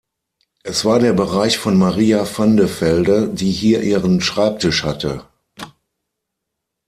Es war der Bereich von Maria van de Velde, die hier ihren Schreibtisch hatte.